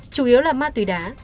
chủ yếu là ma túy đá